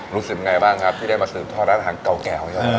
รู้สึกไงบ้างครับที่ได้มาสืบทอดร้านอาหารเก่าแก่